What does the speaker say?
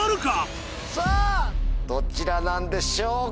どちらなんでしょうか。